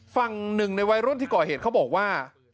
ฟัง๑ในวัยรุ่นที่ก่อเหตุเขาบอกว่า